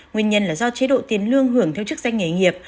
nguyên nhân là do chế độ tiền lương hưởng theo chức danh nghề nghiệp